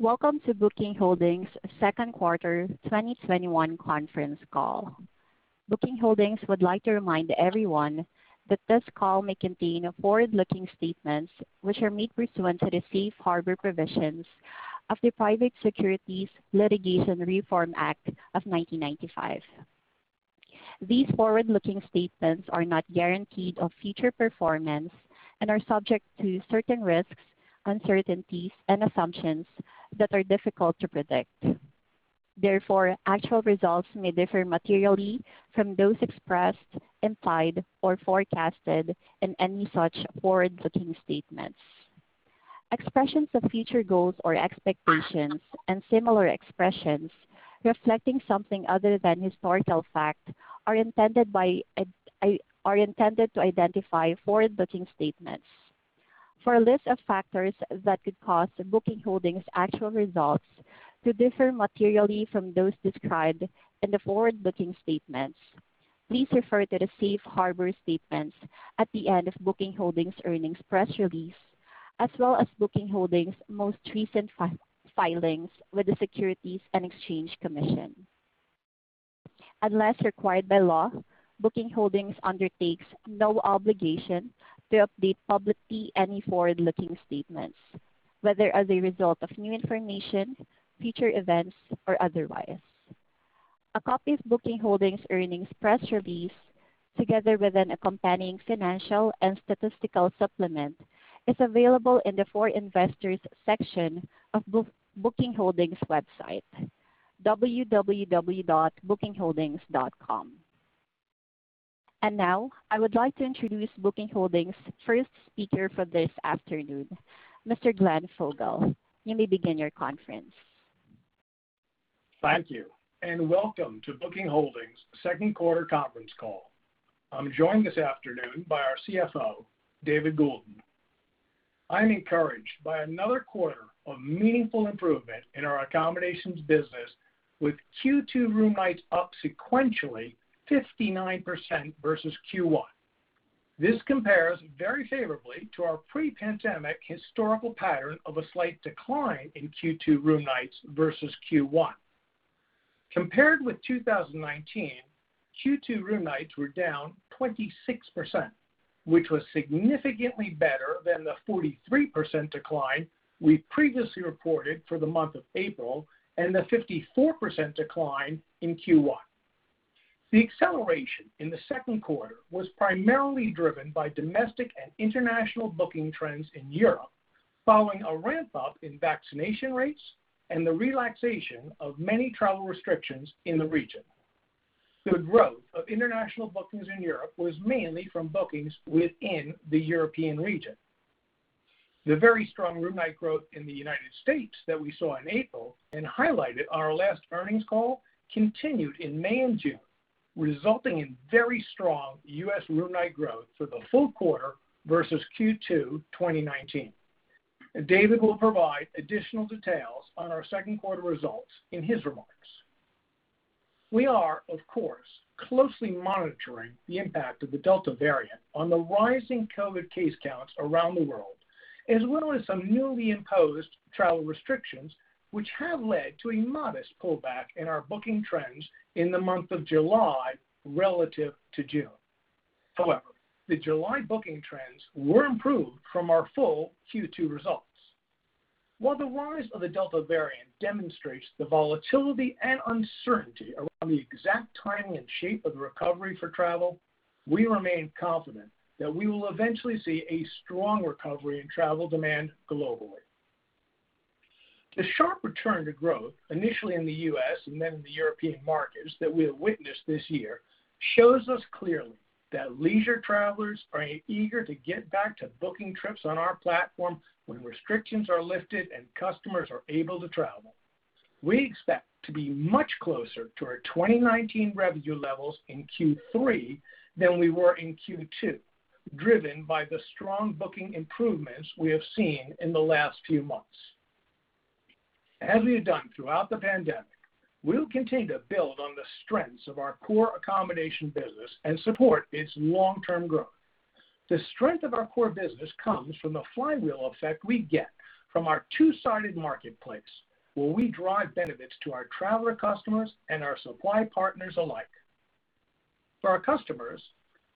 Welcome to Booking Holdings second quarter 2021 conference call. Booking Holdings would like to remind everyone that this call may contain forward-looking statements which are made pursuant to the safe harbor provisions of the Private Securities Litigation Reform Act of 1995. These forward-looking statements are not guarantees of future performance and are subject to certain risks, uncertainties, and assumptions that are difficult to predict. Therefore, actual results may differ materially from those expressed, implied, or forecasted in any such forward-looking statements. Expressions of future goals or expectations and similar expressions reflecting something other than historical fact are intended to identify forward-looking statements. For a list of factors that could cause Booking Holdings' actual results to differ materially from those described in the forward-looking statements, please refer to the safe harbor statements at the end of Booking Holdings' earnings press release, as well as Booking Holdings' most recent filings with the Securities and Exchange Commission. Unless required by law, Booking Holdings undertakes no obligation to update publicly any forward-looking statements, whether as a result of new information, future events, or otherwise. A copy of Booking Holdings' earnings press release, together with an accompanying financial and statistical supplement, is available in the For Investors section of Booking Holdings' website, www.bookingholdings.com. Now, I would like to introduce Booking Holdings' first speaker for this afternoon, Mr. Glenn Fogel. You may begin your conference. Thank you, and welcome to Booking Holdings' second quarter conference call. I'm joined this afternoon by our CFO, David Goulden. I'm encouraged by another quarter of meaningful improvement in our accommodations business, with Q2 room nights up sequentially 59% versus Q1. This compares very favorably to our pre-pandemic historical pattern of a slight decline in Q2 room nights versus Q1. Compared with 2019, Q2 room nights were down 26%, which was significantly better than the 43% decline we previously reported for the month of April and the 54% decline in Q1. The acceleration in the second quarter was primarily driven by domestic and international booking trends in Europe following a ramp-up in vaccination rates and the relaxation of many travel restrictions in the region. The growth of international bookings in Europe was mainly from bookings within the European region. The very strong room night growth in the U.S. that we saw in April and highlighted on our last earnings call continued in May and June, resulting in very strong U.S. room night growth for the full quarter versus Q2 2019. David will provide additional details on our second quarter results in his remarks. We are, of course, closely monitoring the impact of the Delta variant on the rising COVID case counts around the world, as well as some newly imposed travel restrictions which have led to a modest pullback in our booking trends in the month of July relative to June. The July booking trends were improved from our full Q2 results. While the rise of the Delta variant demonstrates the volatility and uncertainty around the exact timing and shape of the recovery for travel, we remain confident that we will eventually see a strong recovery in travel demand globally. The sharp return to growth, initially in the U.S. and then in the European markets that we have witnessed this year, shows us clearly that leisure travelers are eager to get back to booking trips on our platform when restrictions are lifted and customers are able to travel. We expect to be much closer to our 2019 revenue levels in Q3 than we were in Q2, driven by the strong booking improvements we have seen in the last few months. As we have done throughout the pandemic, we will continue to build on the strengths of our core accommodation business and support its long-term growth. The strength of our core business comes from the flywheel effect we get from our two-sided marketplace, where we drive benefits to our traveler customers and our supply partners alike. For our customers,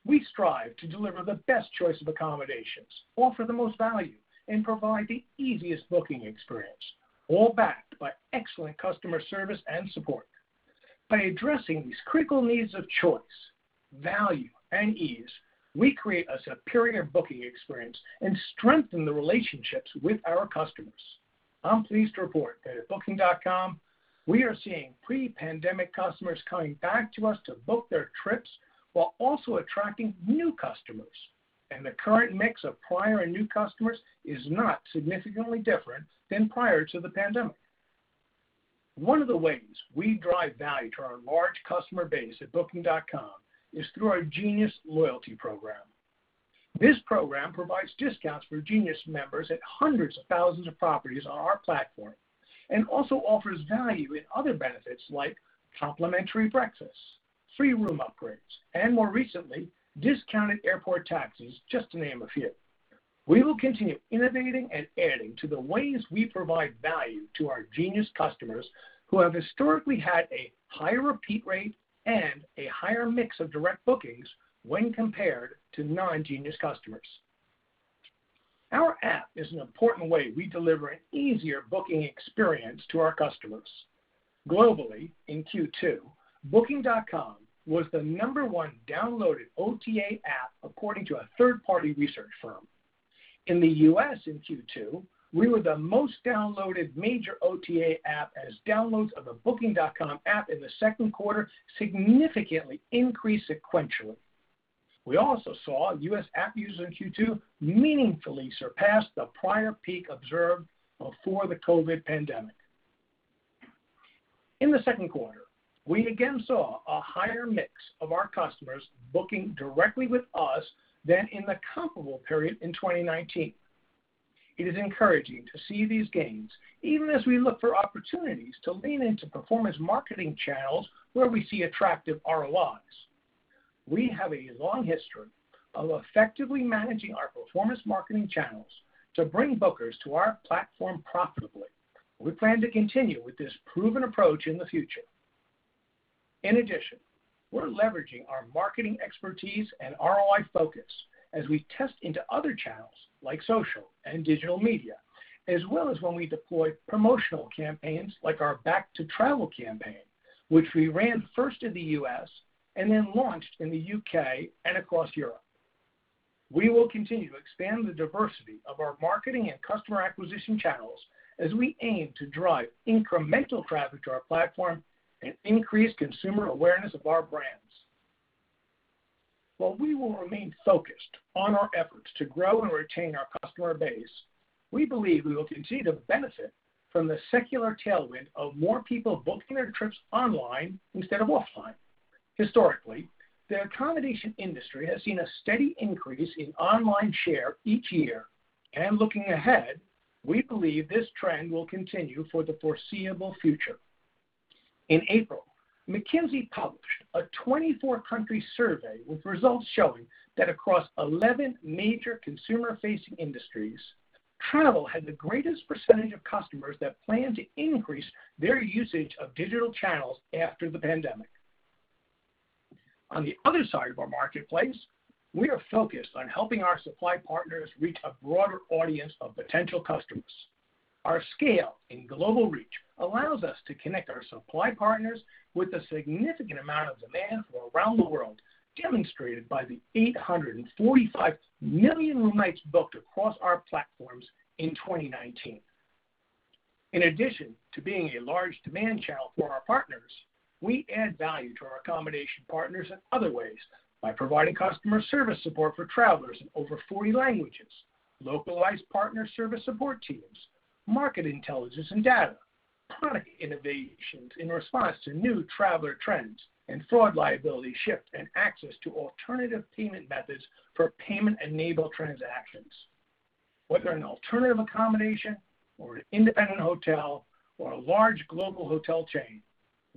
we strive to deliver the best choice of accommodations, offer the most value, and provide the easiest booking experience, all backed by excellent customer service and support. By addressing these critical needs of choice, value, and ease, we create a superior booking experience and strengthen the relationships with our customers. I'm pleased to report that at Booking.com, we are seeing pre-pandemic customers coming back to us to book their trips while also attracting new customers. The current mix of prior and new customers is not significantly different than prior to the pandemic. One of the ways we drive value to our large customer base at Booking.com is through our Genius loyalty program. This program provides discounts for Genius members at hundreds of thousands of properties on our platform. Also offers value in other benefits like complimentary breakfast, free room upgrades, and more recently, discounted airport taxis, just to name a few. We will continue innovating and adding to the ways we provide value to our Genius customers who have historically had a higher repeat rate and a higher mix of direct bookings when compared to non-Genius customers. Our app is an important way we deliver an easier booking experience to our customers. Globally, in Q2, Booking.com was the number 1 downloaded OTA app according to a third-party research firm. In the U.S. in Q2, we were the most downloaded major OTA app as downloads of the Booking.com app in the second quarter significantly increased sequentially. We also saw U.S. app users in Q2 meaningfully surpass the prior peak observed before the COVID-19 pandemic. In the second quarter, we again saw a higher mix of our customers booking directly with us than in the comparable period in 2019. It is encouraging to see these gains even as we look for opportunities to lean into performance marketing channels where we see attractive ROIs. We have a long history of effectively managing our performance marketing channels to bring bookers to our platform profitably. We plan to continue with this proven approach in the future. In addition, we're leveraging our marketing expertise and ROI focus as we test into other channels like social and digital media, as well as when we deploy promotional campaigns like our Back to Travel campaign, which we ran first in the U.S. and then launched in the U.K. and across Europe. We will continue to expand the diversity of our marketing and customer acquisition channels as we aim to drive incremental traffic to our platform and increase consumer awareness of our brands. While we will remain focused on our efforts to grow and retain our customer base, we believe we will continue to benefit from the secular tailwind of more people booking their trips online instead of offline. Historically, the accommodation industry has seen a steady increase in online share each year. Looking ahead, we believe this trend will continue for the foreseeable future. In April, McKinsey published a 24-country survey with results showing that across 11 major consumer-facing industries, travel had the greatest percentage of customers that plan to increase their usage of digital channels after the pandemic. On the other side of our marketplace, we are focused on helping our supply partners reach a broader audience of potential customers. Our scale and global reach allows us to connect our supply partners with a significant amount of demand from around the world, demonstrated by the 845 million room nights booked across our platforms in 2019. In addition to being a large demand channel for our partners, we add value to our accommodation partners in other ways by providing customer service support for travelers in over 40 languages, localized partner service support teams, market intelligence and data, product innovations in response to new traveler trends and fraud liability shift, and access to alternative payment methods for payment-enabled transactions. Whether an alternative accommodation or an independent hotel or a large global hotel chain,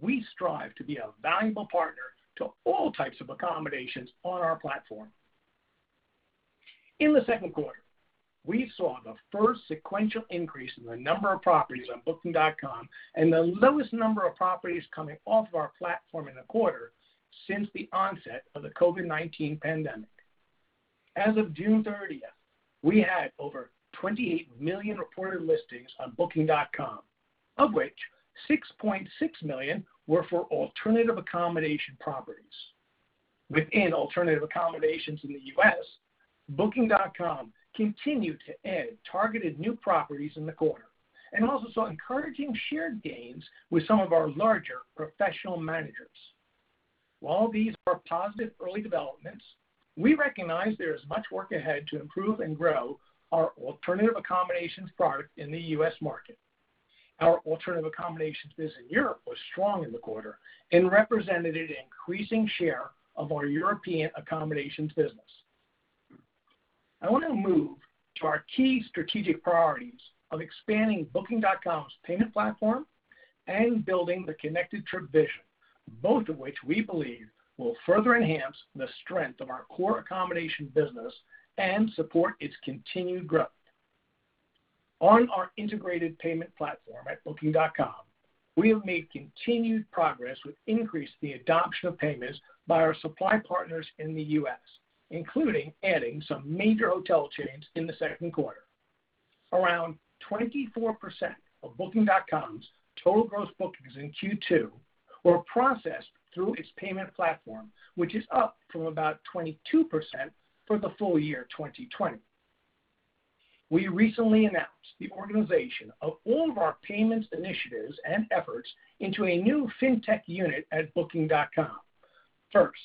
we strive to be a valuable partner to all types of accommodations on our platform. In the second quarter, we saw the first sequential increase in the number of properties on Booking.com and the lowest number of properties coming off of our platform in a quarter since the onset of the COVID-19 pandemic. As of June 30th, we had over 28 million reported listings on Booking.com, of which 6.6 million were for alternative accommodation properties. Within alternative accommodations in the U.S., Booking.com continued to add targeted new properties in the quarter and also saw encouraging shared gains with some of our larger professional managers. While these are positive early developments, we recognize there is much work ahead to improve and grow our alternative accommodations product in the U.S. market. Our alternative accommodations business in Europe was strong in the quarter and represented an increasing share of our European accommodations business. I want to move to our key strategic priorities of expanding Booking.com's payment platform and building the connected trip vision, both of which we believe will further enhance the strength of our core accommodation business and support its continued growth. On our integrated payment platform at Booking.com, we have made continued progress with increased the adoption of payments by our supply partners in the U.S., including adding some major hotel chains in the second quarter. Around 24% of Booking.com's total gross bookings in Q2 were processed through its payment platform, which is up from about 22% for the full year 2020. We recently announced the organization of all of our payments initiatives and efforts into a new FinTech unit at Booking.com. First,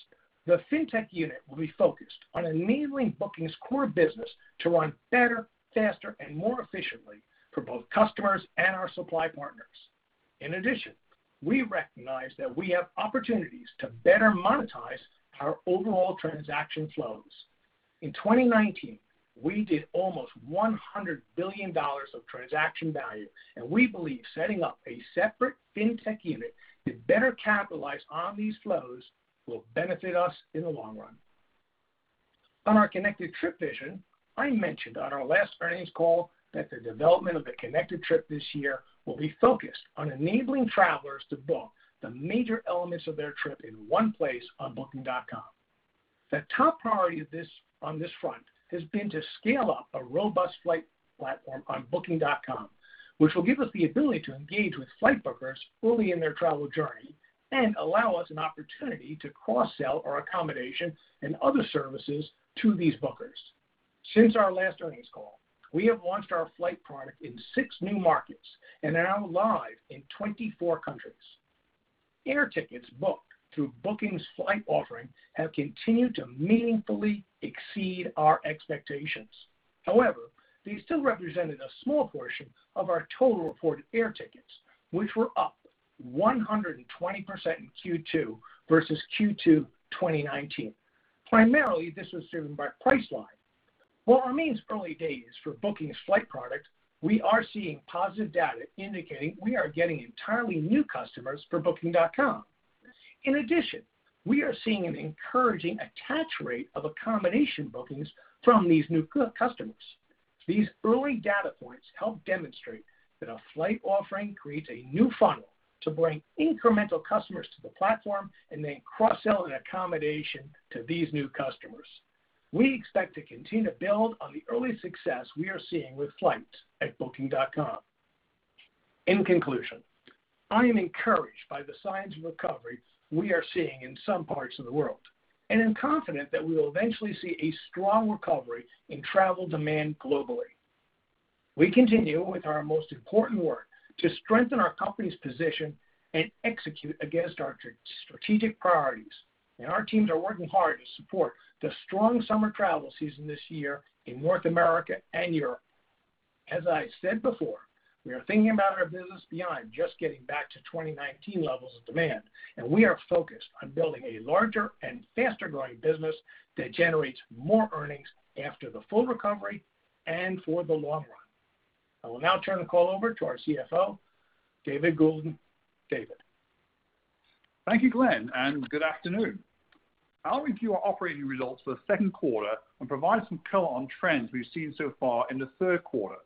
the FinTech unit will be focused on enabling Booking's core business to run better, faster, and more efficiently for both customers and our supply partners. In addition, we recognize that we have opportunities to better monetize our overall transaction flows. In 2019, we did almost $100 billion of transaction value, and we believe setting up a separate FinTech unit to better capitalize on these flows will benefit us in the long run. On our connected trip vision, I mentioned on our last earnings call that the development of the connected trip this year will be focused on enabling travelers to book the major elements of their trip in one place on booking.com. The top priority on this front has been to scale up a robust flight platform on booking.com, which will give us the ability to engage with flight bookers early in their travel journey and allow us an opportunity to cross-sell our accommodation and other services to these bookers. Since our last earnings call, we have launched our flight product in six new markets and are now live in 24 countries. Air tickets booked through Booking's flight offering have continued to meaningfully exceed our expectations. They still represented a small portion of our total reported air tickets, which were up 120% in Q2 versus Q2 2019. This was driven by Priceline. It remains early days for Booking's flight product, we are seeing positive data indicating we are getting entirely new customers for booking.com. In addition, we are seeing an encouraging attach rate of accommodation bookings from these new customers. These early data points help demonstrate that a flight offering creates a new funnel to bring incremental customers to the platform and then cross-sell an accommodation to these new customers. We expect to continue to build on the early success we are seeing with flights at booking.com. In conclusion, I am encouraged by the signs of recovery we are seeing in some parts of the world, and am confident that we will eventually see a strong recovery in travel demand globally. We continue with our most important work to strengthen our company's position and execute against our strategic priorities, and our teams are working hard to support the strong summer travel season this year in North America and Europe. As I said before, we are thinking about our business beyond just getting back to 2019 levels of demand, and we are focused on building a larger and faster-growing business that generates more earnings after the full recovery and for the long run. I will now turn the call over to our CFO, David Goulden. David? Thank you, Glenn, and good afternoon. I'll review our operating results for the 2nd quarter and provide some color on trends we've seen so far in the 3rd quarter.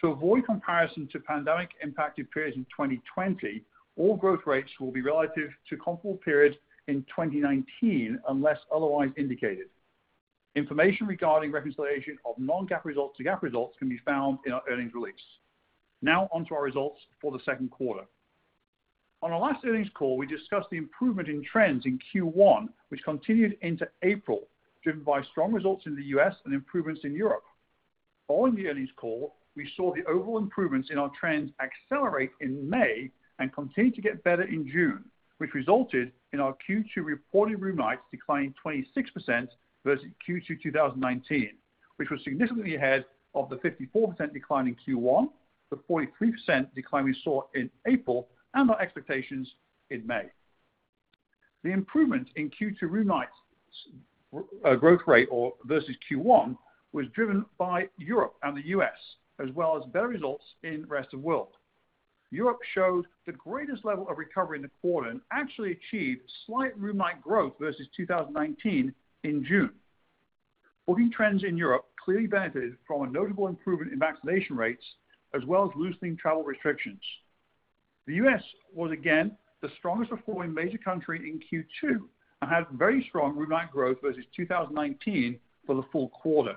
To avoid comparison to pandemic-impacted periods in 2020, all growth rates will be relative to comparable periods in 2019, unless otherwise indicated. Information regarding reconciliation of non-GAAP results to GAAP results can be found in our earnings release. Now, on to our results for the 2nd quarter. On our last earnings call, we discussed the improvement in trends in Q1, which continued into April, driven by strong results in the U.S. and improvements in Europe. Following the earnings call, we saw the overall improvements in our trends accelerate in May and continue to get better in June, which resulted in our Q2 reported room nights declining 26% versus Q2 2019, which was significantly ahead of the 54% decline in Q1, the 43% decline we saw in April, and our expectations in May. The improvement in Q2 room nights growth rate versus Q1 was driven by Europe and the U.S., as well as better results in the rest of world. Europe showed the greatest level of recovery in the quarter and actually achieved slight room night growth versus 2019 in June. Booking trends in Europe clearly benefited from a notable improvement in vaccination rates, as well as loosening travel restrictions. The U.S. was again the strongest performing major country in Q2 and had very strong room night growth versus 2019 for the full quarter.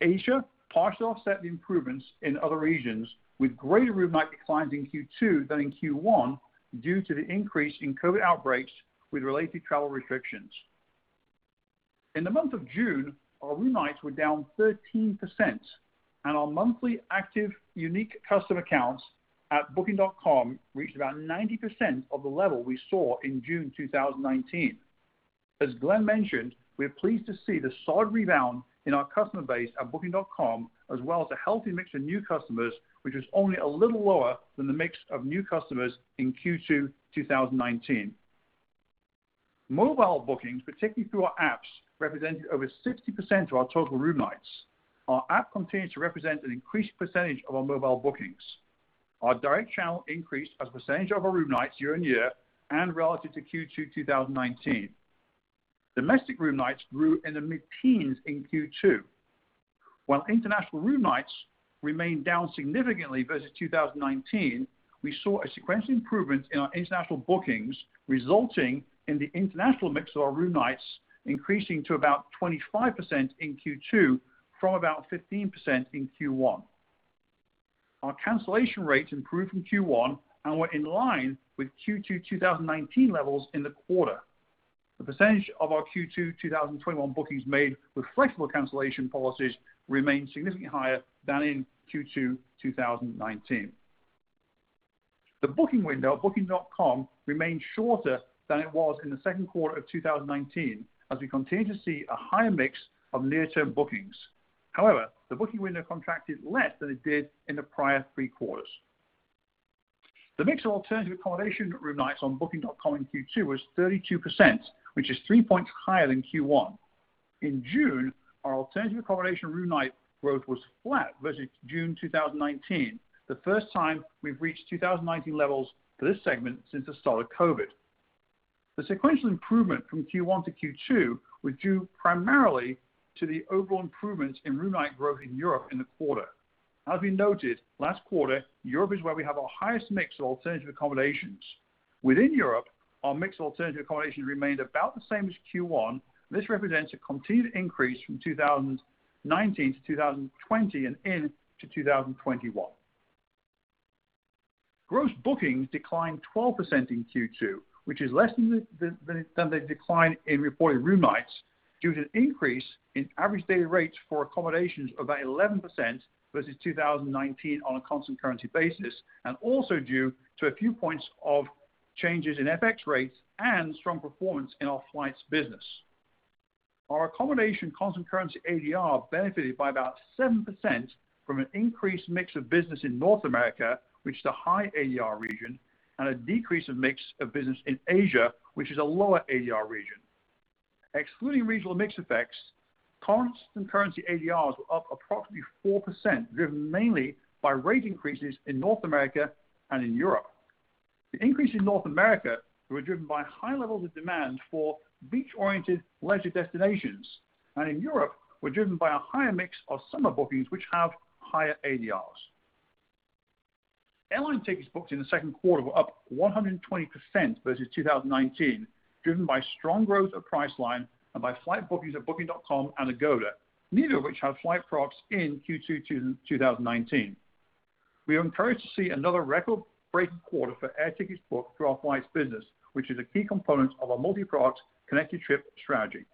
Asia partially offset the improvements in other regions, with greater room night declines in Q2 than in Q1 due to the increase in COVID-19 outbreaks with related travel restrictions. In the month of June, our room nights were down 13%, and our monthly active unique customer accounts at Booking.com reached about 90% of the level we saw in June 2019. As Glenn mentioned, we are pleased to see the solid rebound in our customer base at Booking.com, as well as a healthy mix of new customers, which was only a little lower than the mix of new customers in Q2 2019. Mobile bookings, particularly through our apps, represented over 60% of our total room nights. Our app continued to represent an increased percentage of our mobile bookings. Our direct channel increased as a percentage of our room nights year-on-year and relative to Q2 2019. Domestic room nights grew in the mid-teens in Q2. While international room nights remained down significantly versus 2019, we saw a sequential improvement in our international bookings, resulting in the international mix of our room nights increasing to about 25% in Q2 from about 15% in Q1. Our cancellation rates improved from Q1 and were in line with Q2 2019 levels in the quarter. The percentage of our Q2 2021 bookings made with flexible cancellation policies remained significantly higher than in Q2 2019. The booking window at booking.com remained shorter than it was in the second quarter of 2019, as we continue to see a higher mix of near-term bookings. However, the booking window contracted less than it did in the prior three quarters. The mix of alternative accommodation room nights on booking.com in Q2 was 32%, which is three points higher than Q1. In June, our alternative accommodation room night growth was flat versus June 2019, the first time we've reached 2019 levels for this segment since the start of COVID. The sequential improvement from Q1 to Q2 was due primarily to the overall improvements in room night growth in Europe in the quarter. As we noted last quarter, Europe is where we have our highest mix of alternative accommodations. Within Europe, our mix of alternative accommodation remained about the same as Q1, and this represents a continued increase from 2019 to 2020, and into 2021. Gross bookings declined 12% in Q2, which is less than the decline in reported room nights due to an increase in average daily rates for accommodations of about 11% versus 2019 on a constant currency basis, and also due to a few points of changes in FX rates and strong performance in our flights business. Our accommodation constant currency ADR benefited by about 7% from an increased mix of business in North America, which is a high ADR region, and a decrease of mix of business in Asia, which is a lower ADR region. Excluding regional mix effects, constant currency ADRs were up approximately 4%, driven mainly by rate increases in North America and in Europe. The increase in North America were driven by high levels of demand for beach-oriented leisure destinations, and in Europe were driven by a higher mix of summer bookings which have higher ADRs. Airline tickets booked in the second quarter were up 120% versus 2019, driven by strong growth of Priceline and by flight bookings at booking.com and Agoda, neither of which had flight products in Q2 2019. We are encouraged to see another record-breaking quarter for air tickets booked through our flights business, which is a key component of our multi-product connected trip strategy.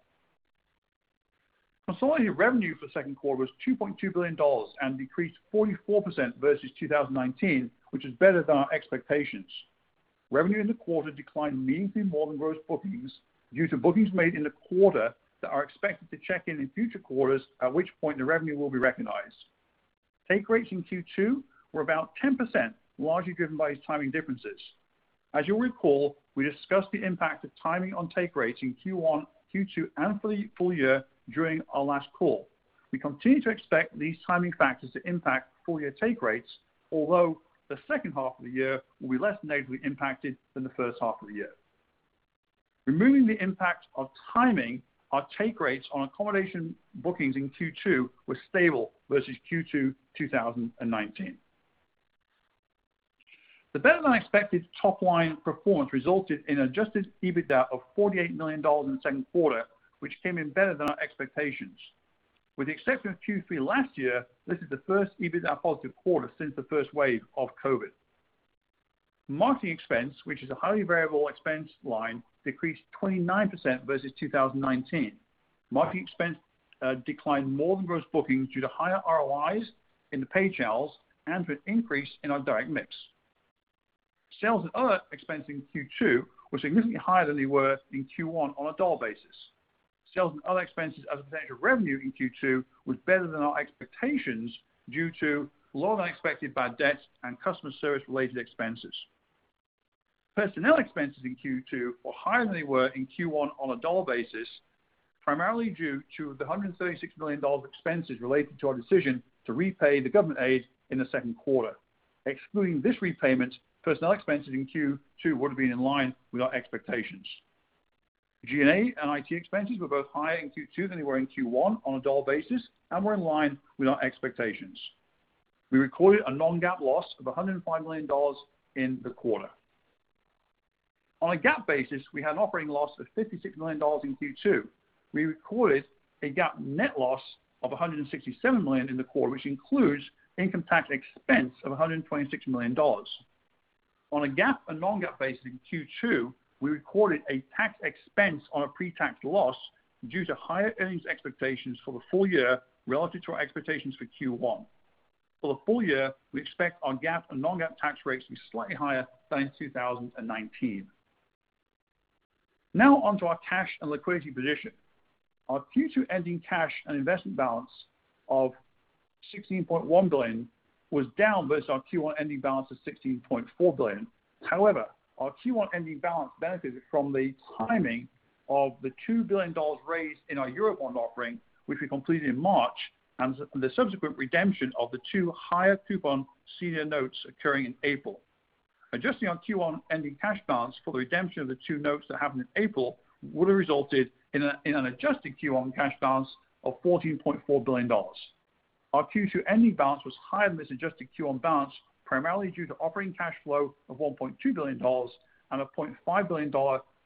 Consolidated revenue for the second quarter was $2.2 billion and decreased 44% versus 2019, which is better than our expectations. Revenue in the quarter declined meaningfully more than gross bookings due to bookings made in the quarter that are expected to check in future quarters, at which point the revenue will be recognized. Take rates in Q2 were about 10%, largely driven by these timing differences. As you'll recall, we discussed the impact of timing on take rates in Q1, Q2, and for the full year during our last call. We continue to expect these timing factors to impact full year take rates, although the second half of the year will be less negatively impacted than the first half of the year. Removing the impact of timing, our take rates on accommodation bookings in Q2 were stable versus Q2 2019. The better-than-expected top-line performance resulted in Adjusted EBITDA of $48 million in the second quarter, which came in better than our expectations. With the exception of Q3 last year, this is the first EBITDA positive quarter since the first wave of COVID. Marketing expense, which is a highly variable expense line, decreased 29% versus 2019. Marketing expense declined more than gross bookings due to higher ROIs in the paid channels and with increase in our direct mix. Sales and other expenses in Q2 were significantly higher than they were in Q1 on a dollar basis. Sales and other expenses as a % of revenue in Q2 was better than our expectations due to lower-than-expected bad debts and customer service-related expenses. Personnel expenses in Q2 were higher than they were in Q1 on a dollar basis, primarily due to the $136 million expenses related to our decision to repay the government aid in the second quarter. Excluding this repayment, personnel expenses in Q2 would have been in line with our expectations. G&A and IT expenses were both higher in Q2 than they were in Q1 on a dollar basis and were in line with our expectations. We recorded a non-GAAP loss of $105 million in the quarter. On a GAAP basis, we had an operating loss of $56 million in Q2. We recorded a GAAP net loss of $167 million in the quarter, which includes income tax expense of $126 million. On a GAAP and non-GAAP basis in Q2, we recorded a tax expense on a pre-tax loss due to higher earnings expectations for the full year relative to our expectations for Q1. For the full year, we expect our GAAP and non-GAAP tax rates to be slightly higher than in 2019. On to our cash and liquidity position. Our Q2 ending cash and investment balance of $16.1 billion was down versus our Q1 ending balance of $16.4 billion. Our Q1 ending balance benefited from the timing of the $2 billion raised in our Eurobond offering, which we completed in March, and the subsequent redemption of the two higher coupon senior notes occurring in April. Adjusting our Q1 ending cash balance for the redemption of the two notes that happened in April, would've resulted in an adjusted Q1 cash balance of $14.4 billion. Our Q2 ending balance was higher than this adjusted Q1 balance, primarily due to operating cash flow of $1.2 billion and a $0.5 billion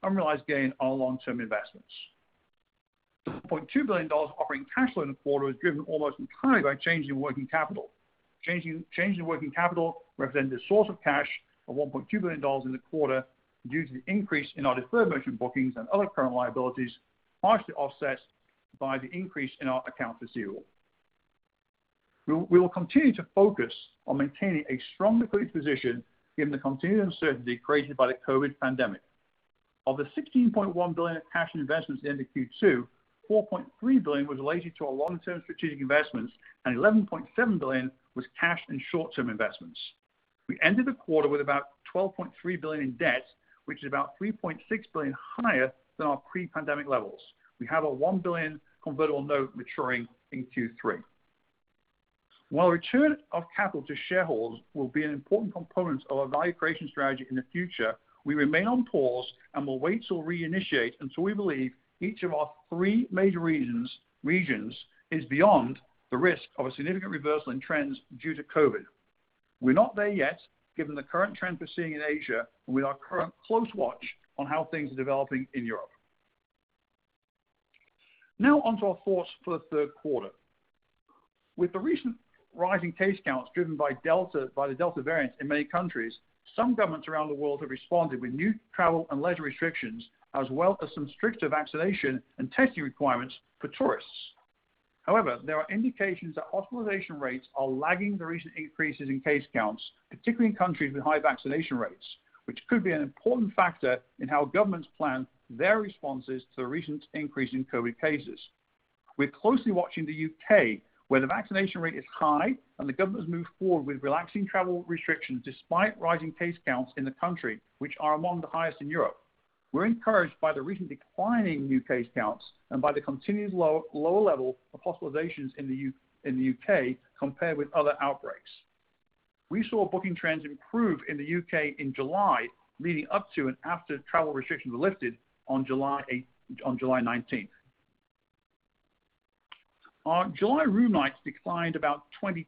unrealized gain on our long-term investments. The $0.2 billion operating cash flow in the quarter was driven almost entirely by a change in working capital. Change in working capital represented a source of cash of $1.2 billion in the quarter due to the increase in our deferred merchant bookings and other current liabilities, partially offset by the increase in our accounts receivable. We will continue to focus on maintaining a strong liquidity position given the continued uncertainty created by the COVID pandemic. Of the $16.1 billion of cash and investments at the end of Q2, $4.3 billion was related to our long-term strategic investments, and $11.7 billion was cash and short-term investments. We ended the quarter with about $12.3 billion in debt, which is about $3.6 billion higher than our pre-pandemic levels. We have a $1 billion convertible note maturing in Q3. While return of capital to shareholders will be an important component of our value creation strategy in the future, we remain on pause and will wait to reinitiate until we believe each of our 3 major regions is beyond the risk of a significant reversal in trends due to COVID. We're not there yet, given the current trend we're seeing in Asia and with our current close watch on how things are developing in Europe. On to our thoughts for the third quarter. With the recent rising case counts driven by the Delta variant in many countries, some governments around the world have responded with new travel and leisure restrictions, as well as some stricter vaccination and testing requirements for tourists. However, there are indications that hospitalization rates are lagging the recent increases in case counts, particularly in countries with high vaccination rates, which could be an important factor in how governments plan their responses to the recent increase in COVID cases. We're closely watching the U.K., where the vaccination rate is high and the government has moved forward with relaxing travel restrictions despite rising case counts in the country, which are among the highest in Europe. We're encouraged by the recent declining new case counts and by the continued low level of hospitalizations in the U.K. compared with other outbreaks. We saw booking trends improve in the U.K. in July, leading up to and after travel restrictions were lifted on July 19th. Our July room nights declined about 22%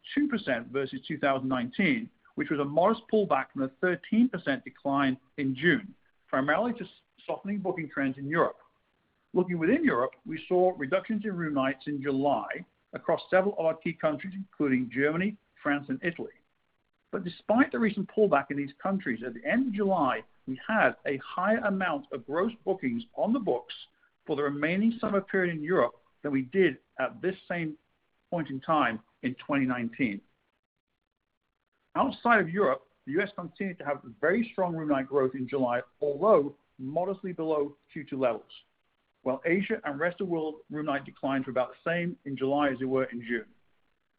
versus 2019, which was a modest pullback from the 13% decline in June, primarily just softening booking trends in Europe. Looking within Europe, we saw reductions in room nights in July across several of our key countries, including Germany, France, and Italy. Despite the recent pullback in these countries, at the end of July, we had a higher amount of gross bookings on the books for the remaining summer period in Europe than we did at this same point in time in 2019. Outside of Europe, the U.S. continued to have very strong room night growth in July, although modestly below Q2 levels, while Asia and rest of world room night declines were about the same in July as they were in June.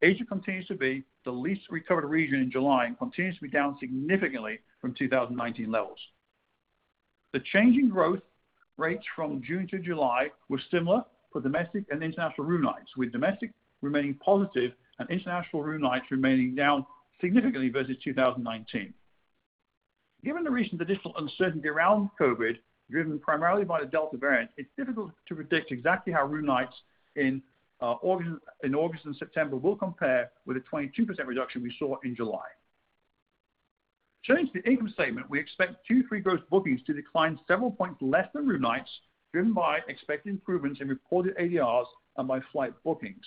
Asia continues to be the least recovered region in July and continues to be down significantly from 2019 levels. The change in growth rates from June to July were similar for domestic and international room nights, with domestic remaining positive and international room nights remaining down significantly versus 2019. Given the recent additional uncertainty around COVID-19, driven primarily by the Delta variant, it's difficult to predict exactly how room nights in August and September will compare with the 22% reduction we saw in July. Turning to the income statement, we expect Q3 gross bookings to decline several points less than room nights, driven by expected improvements in reported ADRs and by flight bookings.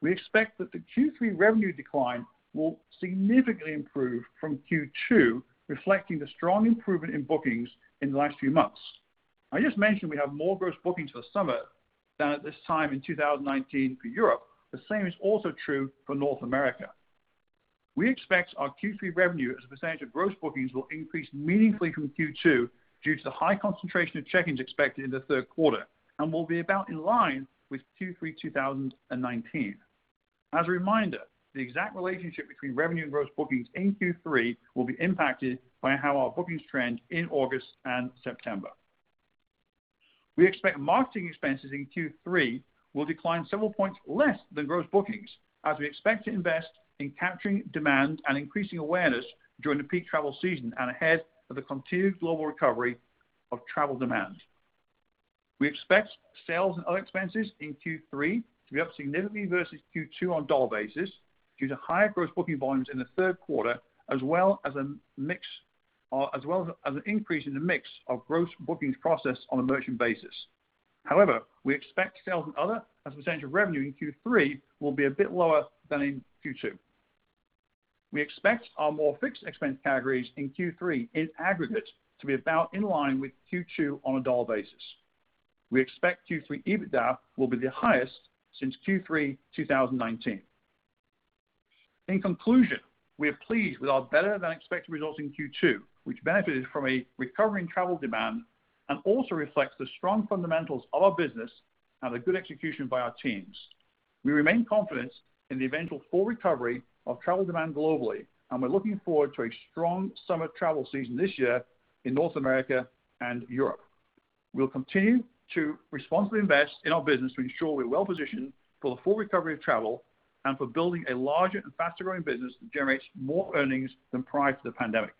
We expect that the Q3 revenue decline will significantly improve from Q2, reflecting the strong improvement in bookings in the last few months. I just mentioned we have more gross bookings for the summer than at this time in 2019 for Europe. The same is also true for North America. We expect our Q3 revenue as a percentage of gross bookings will increase meaningfully from Q2 due to the high concentration of check-ins expected in the third quarter and will be about in line with Q3 2019. As a reminder, the exact relationship between revenue and gross bookings in Q3 will be impacted by how our bookings trend in August and September. We expect marketing expenses in Q3 will decline several points less than gross bookings as we expect to invest in capturing demand and increasing awareness during the peak travel season and ahead of the continued global recovery of travel demand. We expect sales and other expenses in Q3 to be up significantly versus Q2 on dollar basis due to higher gross booking volumes in the third quarter, as well as an increase in the mix of gross bookings processed on a merchant basis. However, we expect sales and other as a percentage of revenue in Q3 will be a bit lower than in Q2. We expect our more fixed expense categories in Q3 in aggregate to be about in line with Q2 on a dollar basis. We expect Q3 EBITDA will be the highest since Q3 2019. In conclusion, we are pleased with our better-than-expected results in Q2, which benefited from a recovering travel demand and also reflects the strong fundamentals of our business and the good execution by our teams. We remain confident in the eventual full recovery of travel demand globally, and we're looking forward to a strong summer travel season this year in North America and Europe. We'll continue to responsibly invest in our business to ensure we're well-positioned for the full recovery of travel and for building a larger and faster-growing business that generates more earnings than prior to the pandemic.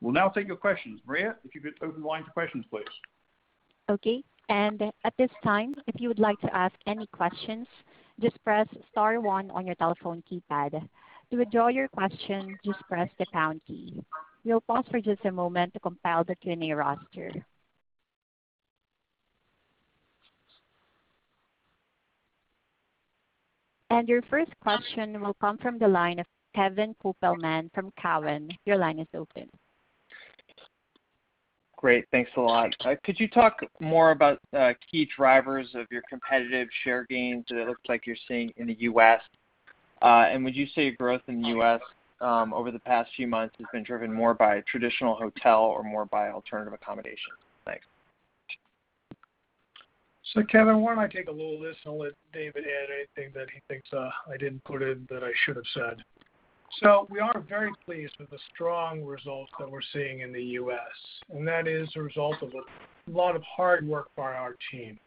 We'll now take your questions. Maria, if you could open the line for questions, please. Okay, and at this time, if you would like to ask any questions, just press star 1 on your telephone keypad. To withdraw your question, just press the pound key. You'll pause for just a moment to compile the Q&A roster. We'll pause for just a moment to compile the Q&A roster. Your first question will come from the line of Kevin Kopelman from Cowen. Great. Thanks a lot. Could you talk more about key drivers of your competitive share gains that it looks like you're seeing in the U.S., and would you say growth in the U.S. over the past few months has been driven more by traditional hotel or more by alternative accommodation? Thanks. Kevin, why don't I take a little of this, and I'll let David add anything that he thinks I didn't put in that I should have said. We are very pleased with the strong results that we're seeing in the U.S., and that is a result of a lot of hard work by our team.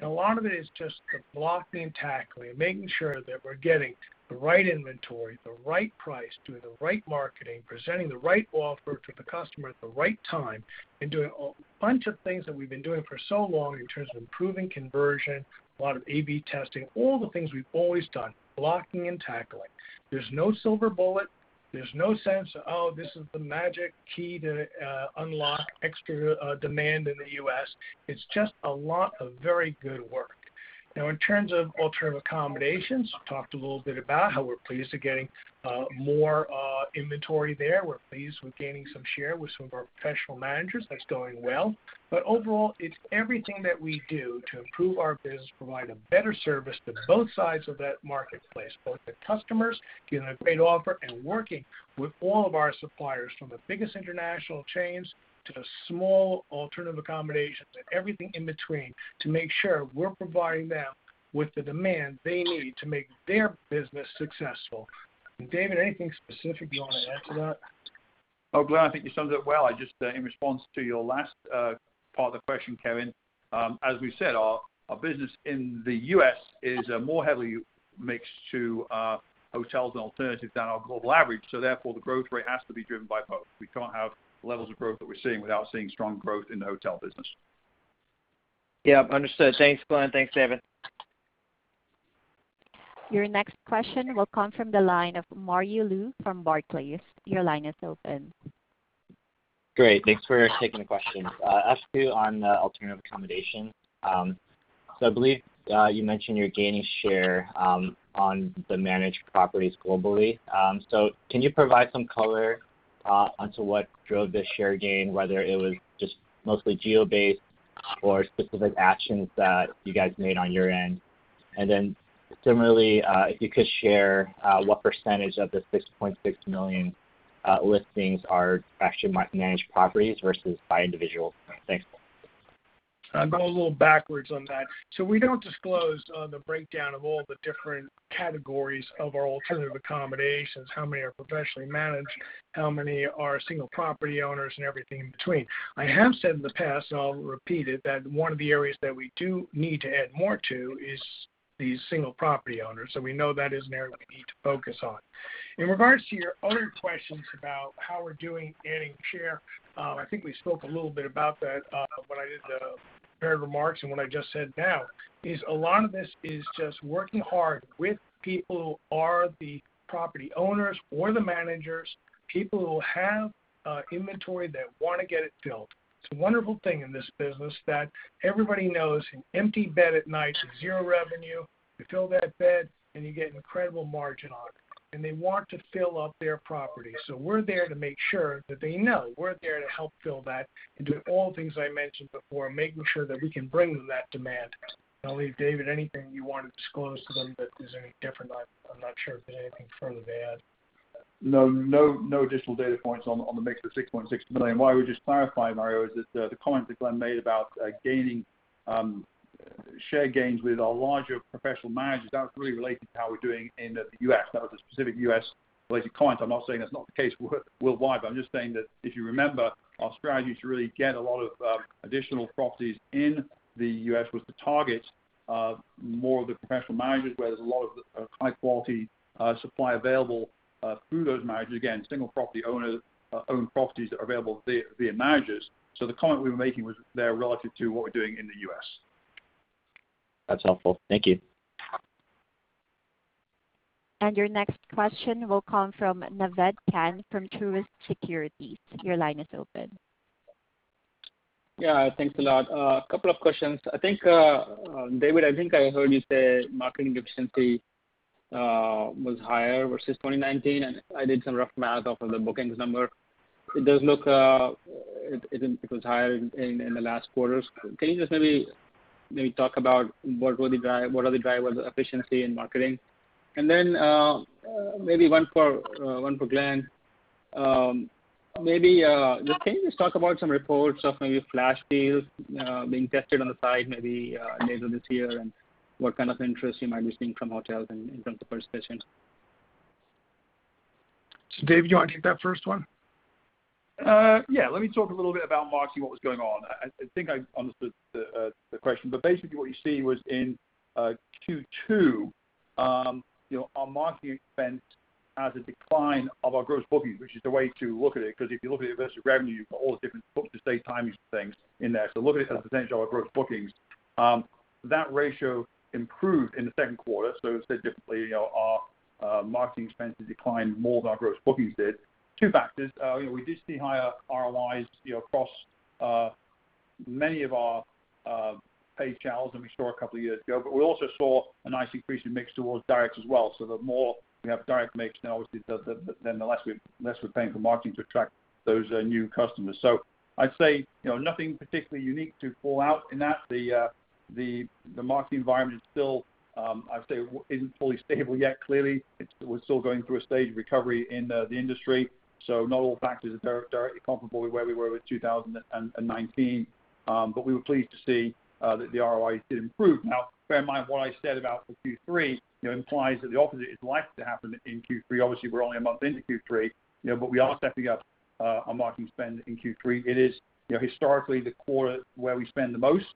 A lot of it is just the blocking and tackling, making sure that we're getting the right inventory, the right price, doing the right marketing, presenting the right offer to the customer at the right time, and doing a bunch of things that we've been doing for so long in terms of improving conversion, a lot of A/B testing, all the things we've always done, blocking and tackling. There's no silver bullet. There's no sense of, oh, this is the magic key to unlock extra demand in the U.S. It's just a lot of very good work. Now, in terms of alternative accommodations, talked a little bit about how we're pleased at getting more inventory there. We're pleased with gaining some share with some of our professional managers. That's going well. Overall, it's everything that we do to improve our business, provide a better service to both sides of that marketplace, both the customers, giving a great offer, and working with all of our suppliers, from the biggest international chains to the small alternative accommodations and everything in between to make sure we're providing them with the demand they need to make their business successful. David, anything specific you want to add to that? Glenn, I think you summed it up well. Just in response to your last part of the question, Kevin, as we said, our business in the U.S. is more heavily mixed to hotels and alternatives than our global average, therefore, the growth rate has to be driven by both. We can't have the levels of growth that we're seeing without seeing strong growth in the hotel business. Yeah. Understood. Thanks, Glenn. Thanks, David. Your next question will come from the line of Mario Lu from Barclays. Your line is open. Great. Thanks for taking the question. I'll ask you on the alternative accommodation. I believe you mentioned you're gaining share on the managed properties globally. Can you provide some color onto what drove the share gain, whether it was just mostly geo-based or specific actions that you guys made on your end? Similarly, if you could share what % of the 6.6 million listings are actually managed properties versus by individual. Thanks. I'll go a little backwards on that. We don't disclose on the breakdown of all the different categories of our alternative accommodations, how many are professionally managed, how many are single property owners, and everything in between. I have said in the past, and I'll repeat it, that one of the areas that we do need to add more to is the single property owners. We know that is an area that we need to focus on. In regards to your other questions about how we're doing adding share, I think we spoke a little bit about that when I did the prepared remarks and what I just said now, is a lot of this is just working hard with people who are the property owners or the managers, people who have inventory that want to get it filled. It's a wonderful thing in this business that everybody knows an empty bed at night is zero revenue. You fill that bed, you get incredible margin on it. They want to fill up their property. We're there to make sure that they know we're there to help fill that and do all the things I mentioned before, making sure that we can bring them that demand. I'll leave David, anything you want to disclose to them that is any different? I'm not sure if there's anything further to add. No additional data points on the mix of 6.6 million. What I would just clarify, Mario, is that the comment that Glenn made about gaining share gains with our larger professional managers, that was really related to how we're doing in the U.S. That was a specific U.S.-related comment. I'm not saying that's not the case worldwide, but I'm just saying that if you remember, our strategy to really get a lot of additional properties in the U.S. was to target more of the professional managers, where there's a lot of high-quality supply available through those managers. Again, single property owners own properties that are available via managers. The comment we were making was there relative to what we're doing in the U.S. That's helpful. Thank you. Your next question will come from Naved Khan from Truist Securities. Your line is open. Yeah. Thanks a lot. A couple of questions. David, I think I heard you say marketing efficiency was higher versus 2019. I did some rough math off of the bookings number. It does look it was higher in the last quarters. Can you just maybe talk about what are the drivers of efficiency in marketing? Then, maybe one for Glenn. Maybe can you just talk about some reports of maybe flash deals being tested on the site maybe end of this year, and what kind of interest you might be seeing from hotels in terms of participation? Dave, do you want to take that first one? Yeah. Let me talk a little bit about marketing, what was going on. Basically what you see was in Q2, our marketing expense as a decline of our gross bookings, which is the way to look at it, because if you look at your revenue, you've got all the different book to stay timings things in there. Look at it as a potential of gross bookings. That ratio improved in the second quarter. Said differently, our marketing expenses declined more than our gross bookings did. Two factors. We did see higher ROIs across many of our paid channels that we saw a couple of years ago. We also saw a nice increase in mix towards direct as well. The more we have direct mix now, obviously, then the less we're paying for marketing to attract those new customers. I'd say nothing particularly unique to call out in that. The marketing environment is still, I would say, isn't fully stable yet. Clearly, we're still going through a stage of recovery in the industry, so not all factors are directly comparable with where we were with 2019. We were pleased to see that the ROIs did improve. Bear in mind, what I said about the Q3, implies that the opposite is likely to happen in Q3. We're only a month into Q3, but we are stepping up our marketing spend in Q3. It is historically the quarter where we spend the most.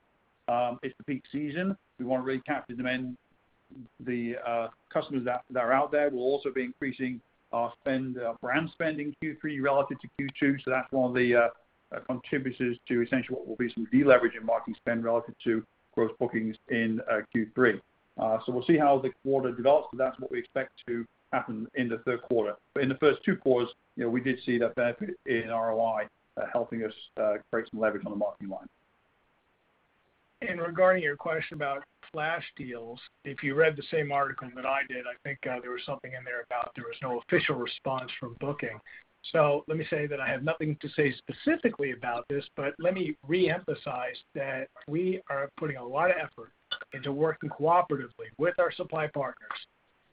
It's the peak season. We want to really capture demand. The customers that are out there. We'll also be increasing our brand spend in Q3 relative to Q2. That's one of the contributors to essentially what will be some de-leveraging marketing spend relative to gross bookings in Q3. We'll see how the quarter develops, but that's what we expect to happen in the third quarter. In the first two quarters, we did see that benefit in ROI, helping us create some leverage on the marketing line. Regarding your question about flash deals, if you read the same article that I did, I think there was something in there about there was no official response from Booking. Let me say that I have nothing to say specifically about this, but let me reemphasize that we are putting a lot of effort into working cooperatively with our supply partners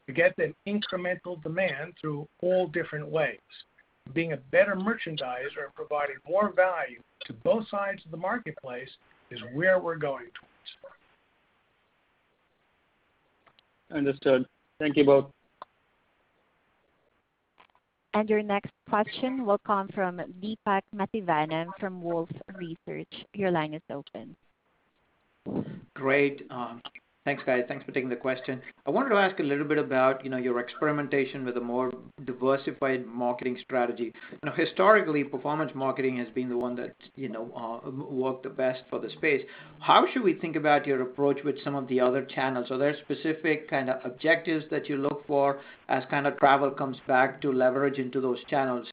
to get that incremental demand through all different ways. Being a better merchandiser and providing more value to both sides of the marketplace is where we're going to win this quarter. Understood. Thank you both. Your next question will come from Deepak Mathivanan from Wolfe Research. Your line is open. Great. Thanks, guys. Thanks for taking the question. I wanted to ask a little bit about your experimentation with a more diversified marketing strategy. Historically, performance marketing has been the one that worked the best for the space. How should we think about your approach with some of the other channels? Are there specific kind of objectives that you look for as travel comes back to leverage into those channels?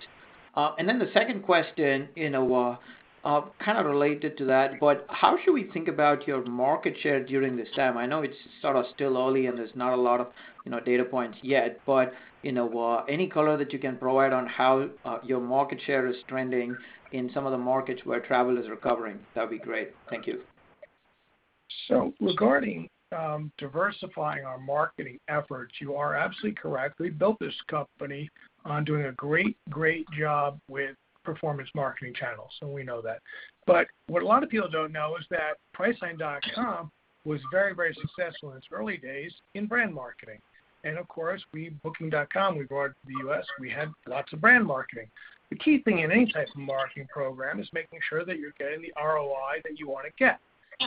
The second question, kind of related to that, but how should we think about your market share during this time? I know it's sort of still early, and there's not a lot of data points yet, but any color that you can provide on how your market share is trending in some of the markets where travel is recovering, that'd be great. Thank you. Regarding diversifying our marketing efforts, you are absolutely correct. We built this company on doing a great job with performance marketing channels, and we know that. What a lot of people don't know is that Priceline.com was very successful in its early days in brand marketing. Of course, we, booking.com, we brought the U.S., we had lots of brand marketing. The key thing in any type of marketing program is making sure that you're getting the ROI that you want to get,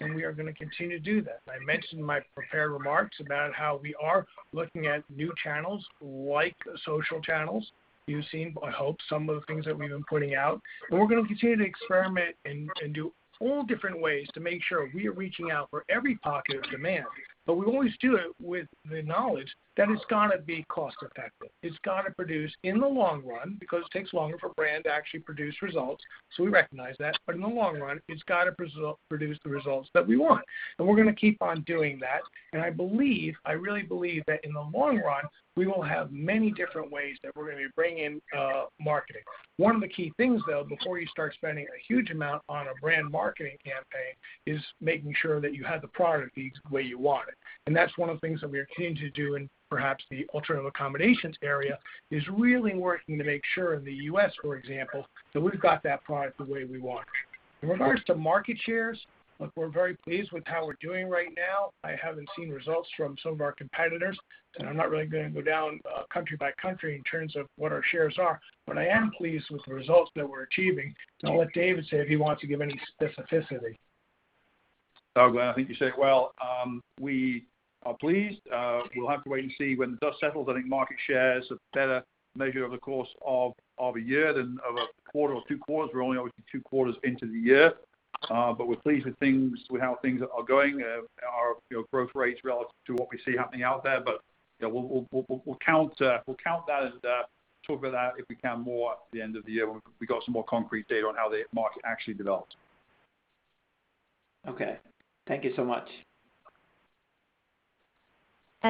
and we are going to continue to do that. I mentioned in my prepared remarks about how we are looking at new channels like social channels. You've seen, I hope, some of the things that we've been putting out, and we're going to continue to experiment and do all different ways to make sure we are reaching out for every pocket of demand. We always do it with the knowledge that it's got to be cost-effective. It's got to produce in the long run, because it takes longer for brand to actually produce results, so we recognize that, but in the long run, it's got to produce the results that we want. We're going to keep on doing that. I believe, I really believe that in the long run, we will have many different ways that we're going to be bringing in marketing. One of the key things, though, before you start spending a huge amount on a brand marketing campaign, is making sure that you have the product the way you want it. That's one of the things that we are continuing to do in perhaps the alternative accommodations area, is really working to make sure in the U.S., for example, that we've got that product the way we want. In regards to market shares, look, we're very pleased with how we're doing right now. I haven't seen results from some of our competitors, and I'm not really going to go down country by country in terms of what our shares are. I am pleased with the results that we're achieving, and I'll let David say if he wants to give any specificity. Doug, I think you said it well. We are pleased. We'll have to wait and see when the dust settles. I think market share is a better measure over the course of a year than of a quarter or 2 quarters. We're only obviously 2 quarters into the year. We're pleased with how things are going, our growth rates relative to what we see happening out there. We'll count that and talk about that, if we can, more at the end of the year when we got some more concrete data on how the market actually develops. Okay. Thank you so much.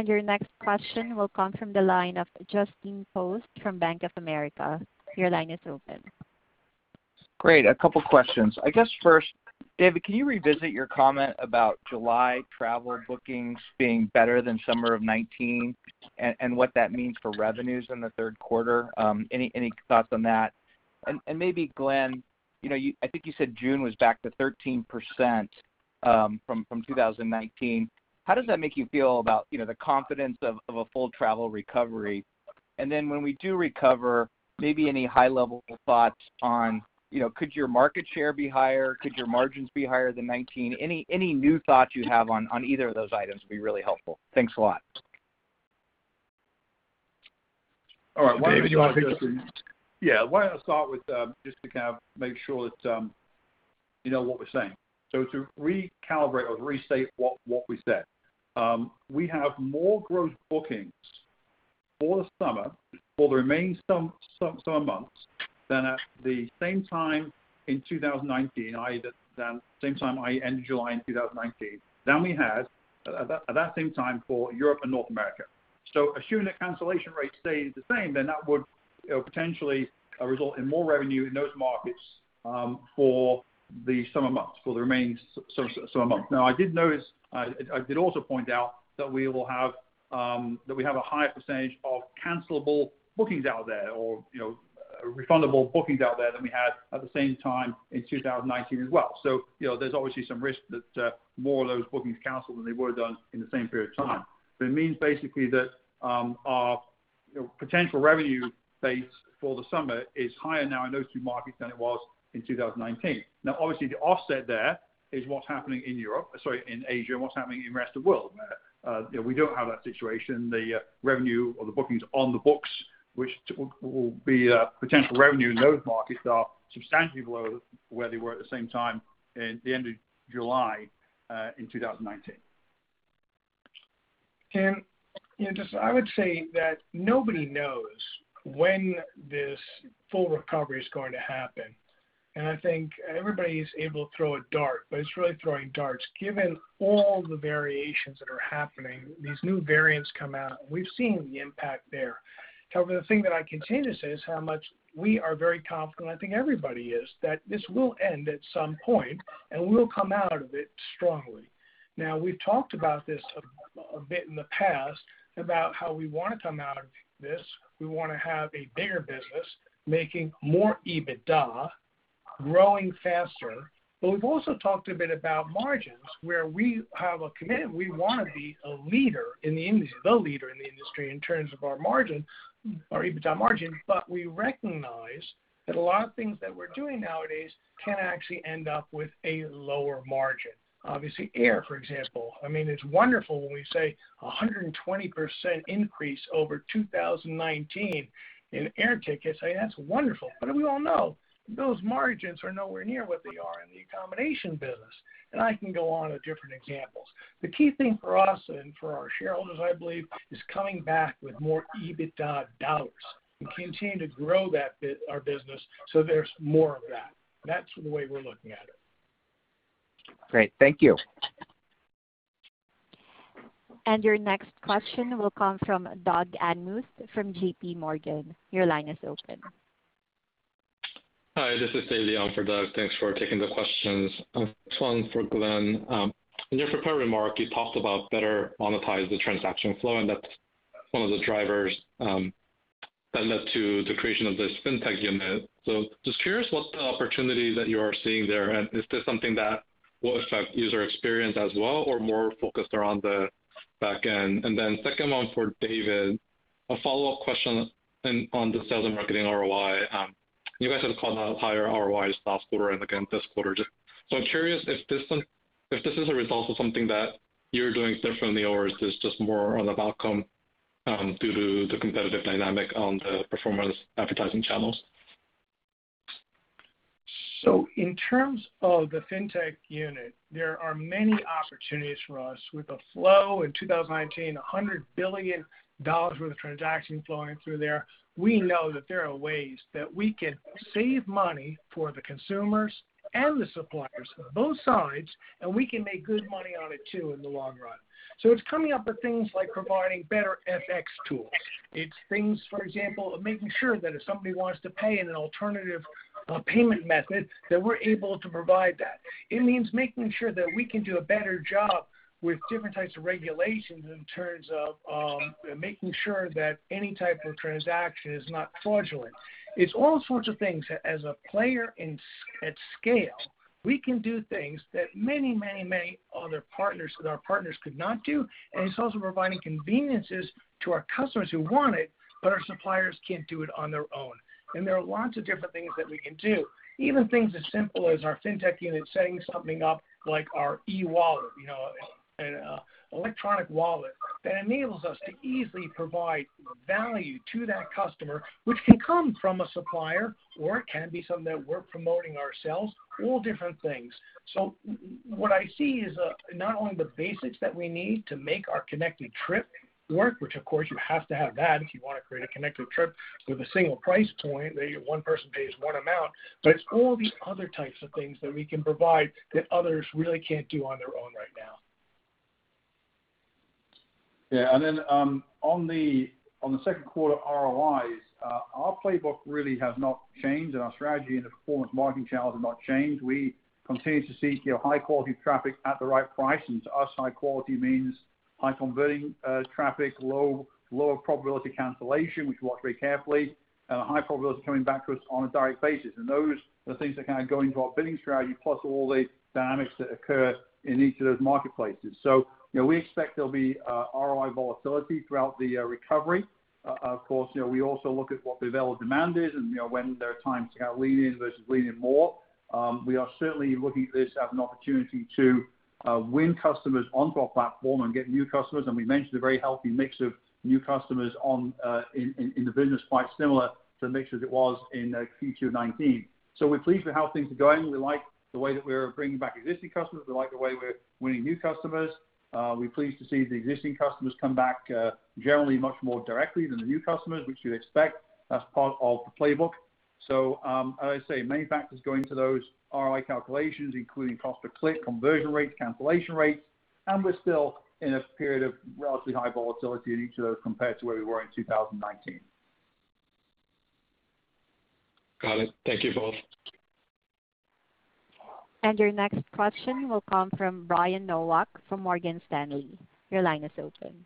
Your next question will come from the line of Justin Post from Bank of America. Your line is open. Great, a couple questions. I guess first, David, can you revisit your comment about July travel bookings being better than summer of 2019, and what that means for revenues in the third quarter? Any thoughts on that? Maybe Glenn, I think you said June was back to 13% from 2019. How does that make you feel about the confidence of a full travel recovery? Then when we do recover, maybe any high-level thoughts on could your market share be higher? Could your margins be higher than 2019? Any new thoughts you have on either of those items would be really helpful. Thanks a lot. All right. David, do you want to take the first one? Yeah. Why don't I start with, just to kind of make sure that you know what we're saying. To recalibrate or restate what we said. We have more gross bookings for the summer, for the remaining summer months, than at the same time in 2019, the same time end of July in 2019, than we had at that same time for Europe and North America. Assuming that cancellation rates stay the same, then that would potentially result in more revenue in those markets for the summer months, for the remaining summer months. I did notice, I did also point out that we have a higher percentage of cancelable bookings out there or refundable bookings out there than we had at the same time in 2019 as well. There's obviously some risk that more of those bookings cancel than they would have done in the same period of time. It means basically that our potential revenue base for the summer is higher now in those two markets than it was in 2019. Now, obviously, the offset there is what's happening in Asia and what's happening in the rest of the world. We don't have that situation, the revenue or the bookings on the books, which will be potential revenue in those markets, are substantially below where they were at the same time in the end of July in 2019. Just I would say that nobody knows when this full recovery is going to happen, and I think everybody's able to throw a dart, but it's really throwing darts given all the variations that are happening, these new variants come out. We've seen the impact there. The thing that I continue to say is how much we are very confident, I think everybody is, that this will end at some point, and we'll come out of it strongly. We've talked about this a bit in the past about how we want to come out of this. We want to have a bigger business making more EBITDA, growing faster. We've also talked a bit about margins, where we have a commitment. We want to be a leader in the industry, the leader in the industry in terms of our margin, our EBITDA margin, but we recognize that a lot of things that we're doing nowadays can actually end up with a lower margin. Obviously, air, for example. It's wonderful when we say 120% increase over 2019 in air tickets. Hey, that's wonderful. We all know those margins are nowhere near what they are in the accommodation business, and I can go on with different examples. The key thing for us and for our shareholders, I believe, is coming back with more EBITDA dollars and continue to grow our business so there's more of that. That's the way we're looking at it. Great. Thank you. Your next question will come from Doug Anmuth from JPMorgan. Your line is open. Hi, this is Dae Lee for Doug. Thanks for taking the questions. This one's for Glenn. In your prepared remark, you talked about better monetize the transaction flow and that's one of the drivers that led to the creation of this fintech unit. Just curious what the opportunity that you are seeing there, and is this something that will affect user experience as well, or more focused around the back end? Then second one for David, a follow-up question on the sales and marketing ROI. You guys have called out higher ROIs last quarter and again this quarter. I'm curious if this is a result of something that you're doing differently, or is this just more of an outcome due to the competitive dynamic on the performance advertising channels? In terms of the fintech unit, there are many opportunities for us with the flow in 2019, $100 billion worth of transactions flowing through there. We know that there are ways that we can save money for the consumers and the suppliers, both sides, and we can make good money on it too in the long run. It's coming up with things like providing better FX tools. It's things, for example, of making sure that if somebody wants to pay in an alternative payment method, that we're able to provide that. It means making sure that we can do a better job with different types of regulations in terms of making sure that any type of transaction is not fraudulent. It's all sorts of things. As a player at scale, we can do things that many other partners could not do. It's also providing conveniences to our customers who want it, but our suppliers can't do it on their own. There are lots of different things that we can do, even things as simple as our fintech unit setting something up like our e-wallet, an electronic wallet that enables us to easily provide value to that customer, which can come from a supplier, or it can be something that we're promoting ourselves, all different things. What I see is not only the basics that we need to make our connected trip work, which of course you have to have that if you want to create a connected trip with a single price point, one person pays one amount, but it's all these other types of things that we can provide that others really can't do on their own right now. Yeah, on the second quarter ROIs, our playbook really has not changed and our strategy in the performance marketing channels have not changed. We continue to seek high-quality traffic at the right price, and to us, high quality means high-converting traffic, low probability of cancellation, which we watch very carefully, high probability of coming back to us on a direct basis. Those are things that go into our bidding strategy, plus all the dynamics that occur in each of those marketplaces. We expect there'll be ROI volatility throughout the recovery. Of course, we also look at what the available demand is and when there are times to lean in versus lean in more. We are certainly looking at this as an opportunity to win customers onto our platform and get new customers. We mentioned a very healthy mix of new customers in the business, quite similar to the mix as it was in Q2 2019. We're pleased with how things are going. We like the way that we're bringing back existing customers. We like the way we're winning new customers. We're pleased to see the existing customers come back generally much more directly than the new customers, which you'd expect as part of the playbook. As I say, many factors go into those ROI calculations, including cost per click, conversion rates, cancellation rates. We're still in a period of relatively high volatility in each of those compared to where we were in 2019. Got it. Thank you both. Your next question will come from Brian Nowak from Morgan Stanley. Your line is open.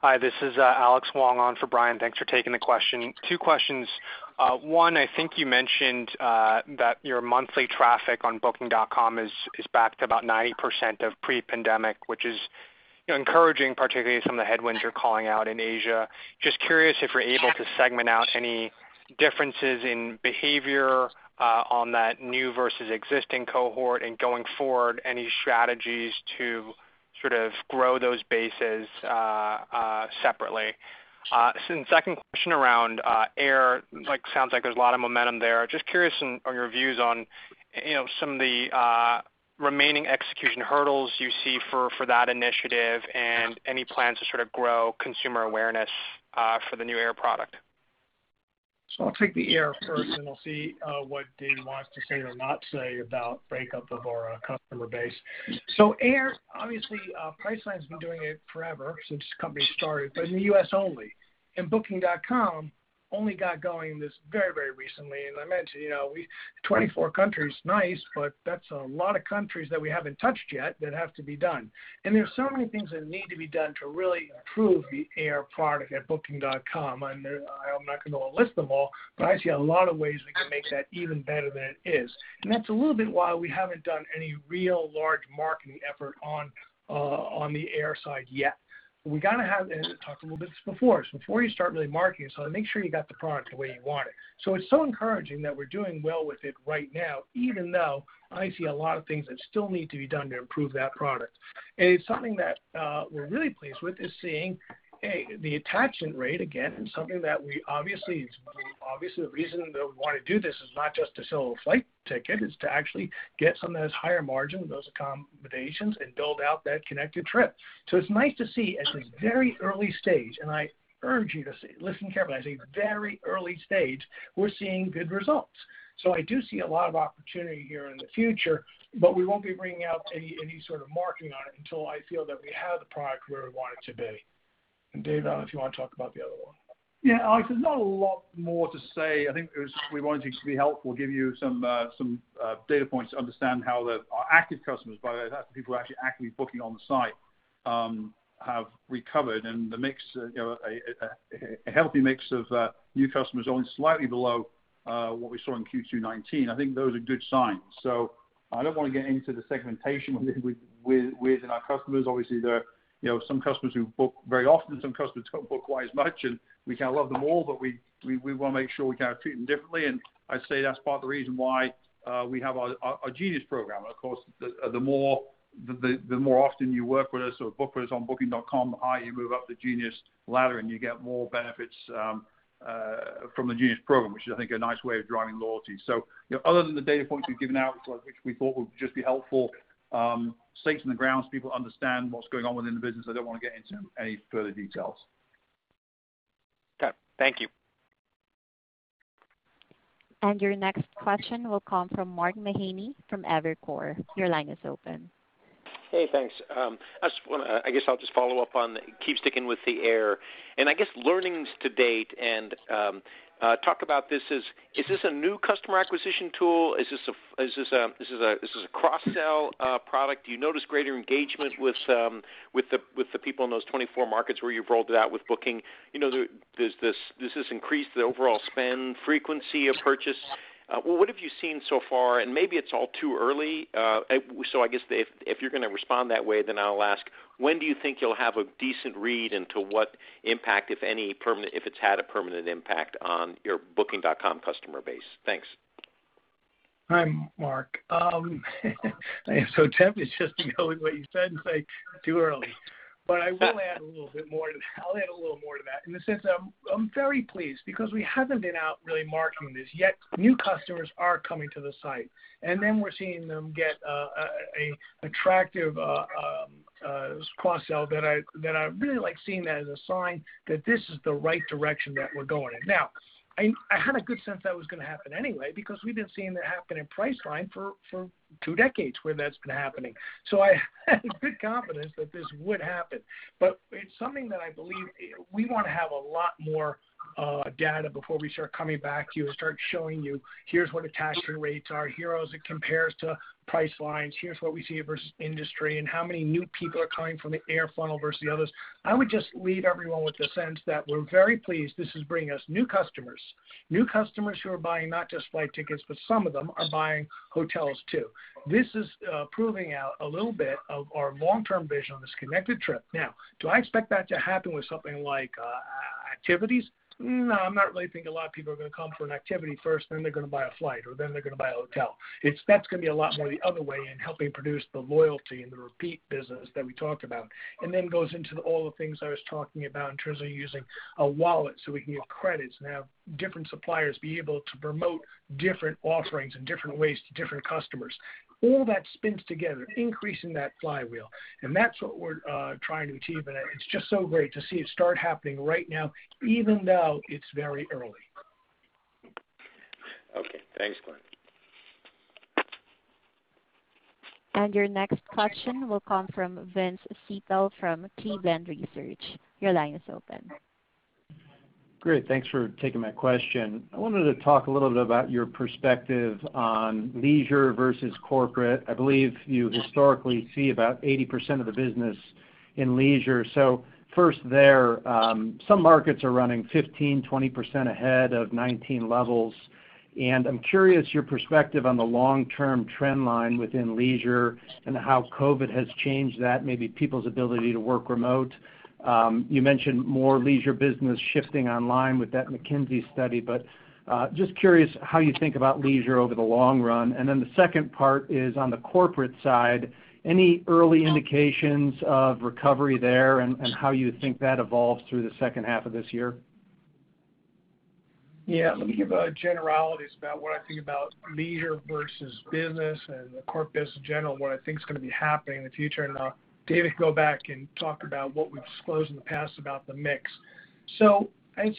Hi, this is Alex Wong on for Brian. Thanks for taking the question. 2 questions. One, I think you mentioned that your monthly traffic on Booking.com is back to about 90% of pre-pandemic, which is encouraging, particularly some of the headwinds you're calling out in Asia. Just curious if you're able to segment out any differences in behavior on that new versus existing cohort and going forward, any strategies to sort of grow those bases separately? Second question around air. Sounds like there's a lot of momentum there. Just curious on your views on some of the remaining execution hurdles you see for that initiative and any plans to sort of grow consumer awareness for the new air product. I'll take the air first, and we'll see what Dave wants to say or not say about breakup of our customer base. Air, obviously, Priceline's been doing it forever, since the company started, but in the U.S. only. Booking.com only got going this very, very recently. I mentioned, 24 countries, nice, but that's a lot of countries that we haven't touched yet that have to be done. There's so many things that need to be done to really improve the air product at Booking.com. I'm not going to list them all, but I see a lot of ways we can make that even better than it is. That's a little bit why we haven't done any real large marketing effort on the air side yet. We got to have, and I talked a little bit before, so before you start really marketing something, make sure you got the product the way you want it. It's so encouraging that we're doing well with it right now, even though I see a lot of things that still need to be done to improve that product. It's something that we're really pleased with is seeing the attachment rate, again, something that we obviously, the reason that we want to do this is not just to sell a flight ticket, it's to actually get some of those higher margins, those accommodations, and build out that connected trip. It's nice to see at this very early stage, and I urge you to listen carefully, I say very early stage, we're seeing good results. I do see a lot of opportunity here in the future, but we won't be bringing out any sort of marketing on it until I feel that we have the product where we want it to be. Dave, I don't know if you want to talk about the other one. Yeah, Alex, there's not a lot more to say. I think we wanted to be helpful, give you some data points to understand how our active customers, by the way, that's the people who are actually booking on the site, have recovered. A healthy mix of new customers, only slightly below what we saw in Q2 2019. I think those are good signs. I don't want to get into the segmentation within our customers. Obviously, there are some customers who book very often, some customers don't book quite as much, and we love them all, but we want to make sure we treat them differently. I'd say that's part of the reason why we have our Genius program. Of course, the more often you work with us or book with us on booking.com, the higher you move up the Genius ladder and you get more benefits from the Genius program, which is, I think, a nice way of driving loyalty. Other than the data points we've given out, which we thought would just be helpful stakes in the ground so people understand what's going on within the business, I don't want to get into any further details. Okay. Thank you. Your next question will come from Mark Mahaney from Evercore. Your line is open. Hey, thanks. I guess I'll just follow up on, keep sticking with the air and I guess learnings to date and talk about this as, is this a new customer acquisition tool? Is this a cross-sell product? Do you notice greater engagement with the people in those 24 markets where you've rolled it out with Booking? Does this increase the overall spend frequency of purchase? What have you seen so far? Maybe it's all too early, so I guess if you're going to respond that way, then I'll ask, when do you think you'll have a decent read into what impact, if any, if it's had a permanent impact on your Booking.com customer base? Thanks. Hi, Mark. I am so tempted just to go with what you said and say too early. I will add a little bit more to that. In the sense that I'm very pleased because we haven't been out really marketing this yet. New customers are coming to the site, and then we're seeing them get an attractive cross-sell that I really like seeing that as a sign that this is the right direction that we're going in. Now, I had a good sense that was going to happen anyway because we've been seeing that happen in Priceline for two decades where that's been happening. I had good confidence that this would happen. It's something that I believe we want to have a lot more data before we start coming back to you and start showing you, here's what attachment rates are, here's how it compares to Priceline's, here's what we see versus industry, and how many new people are coming from the air funnel versus the others. I would just leave everyone with the sense that we're very pleased this is bringing us new customers, new customers who are buying not just flight tickets, but some of them are buying hotels, too. This is proving out a little bit of our long-term vision on this connected trip. Do I expect that to happen with something like activities? I don't really think a lot of people are going to come for an activity first, then they're going to buy a flight, or then they're going to buy a hotel. That's going to be a lot more the other way in helping produce the loyalty and the repeat business that we talked about, and then goes into all the things I was talking about in terms of using a wallet so we can give credits and have different suppliers be able to promote different offerings in different ways to different customers. All that spins together, increasing that flywheel. That's what we're trying to achieve. It's just so great to see it start happening right now, even though it's very early. Okay. Thanks, Glenn. Your next question will come from Vince Ciepiel from Cleveland Research. Your line is open. Great. Thanks for taking my question. I wanted to talk a little bit about your perspective on leisure versus corporate. I believe you historically see about 80% of the business in leisure. First there, some markets are running 15%-20% ahead of 2019 levels. I'm curious your perspective on the long-term trend line within leisure and how COVID has changed that, maybe people's ability to work remote. You mentioned more leisure business shifting online with that McKinsey study, but just curious how you think about leisure over the long run. The second part is on the corporate side, any early indications of recovery there and how you think that evolves through the second half of this year? Yeah. Let me give generalities about what I think about leisure versus business and the corp bus in general, what I think is going to be happening in the future, and David can go back and talk about what we've disclosed in the past about the mix. I think